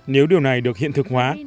nếu điều này được hiện thực hóa